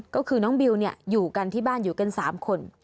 ก็คือน้องบิวอยู่กันที่บ้านอยู่กัน๓คน